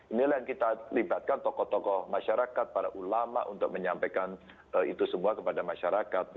inilah yang kita libatkan tokoh tokoh masyarakat para ulama untuk menyampaikan itu semua kepada masyarakat